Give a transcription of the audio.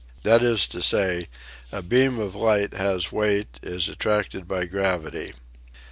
That is to say, a beam of light has weight, is attracted by gravity.